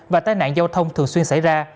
và tai nạn giao thông thường xuyên xảy ra